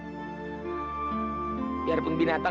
biar pembinaan kita bisa berjaya